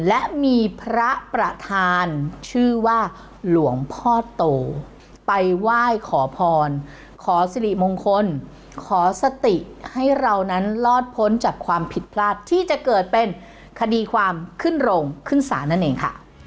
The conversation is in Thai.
และมีพระประธานชื่อว่าหลวงพ่อโตไปไหว้ขอพรขอสิริมงคลขอสติให้เรานั้นรอดพ้นจากความผิดพลาดที่จะเกิดเป็นคดีความขึ้นโรงขึ้นศาลนั่นเองค่ะ